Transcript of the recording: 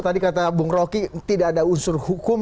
tadi kata bung roky tidak ada unsur hukum